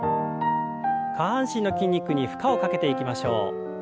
下半身の筋肉に負荷をかけていきましょう。